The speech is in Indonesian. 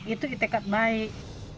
itu itikad baik